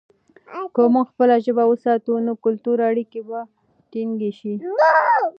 که موږ خپله ژبه وساتو، نو کلتوري اړیکې به ټینګې شي.